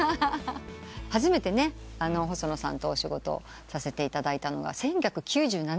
初めて細野さんとお仕事させていただいたのが１９９７年。